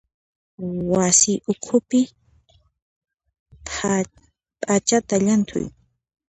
Wasi ukhupi p'achata llanthuy.